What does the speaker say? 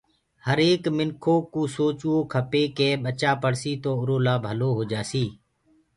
هر ايڪ منکِو سوچوو کپي ڪي ٻچآ پڙهسي تو اُرو لآ ڀلو هو جآسي